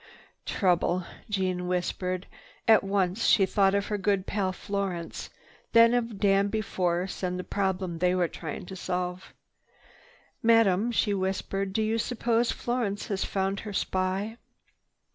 "Trouble," Jeanne whispered. At once she thought of her good pal Florence, then of Danby Force and the problem they were trying to solve. "Madame," she whispered, "do you suppose Florence has found her spy?"